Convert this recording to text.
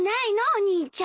お兄ちゃん。